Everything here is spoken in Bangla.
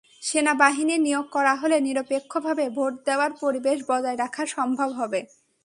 সেনাবাহিনী নিয়োগ করা হলে নিরপেক্ষভাবে ভোট দেওয়ার পরিবেশ বজায় রাখা সম্ভব হবে।